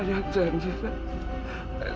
ayah janji sayang